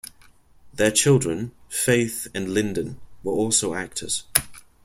Their children, Faith and Lyndon, were also actors.